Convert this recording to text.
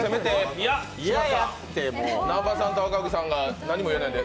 南波さんと赤荻さんが何もやらないで。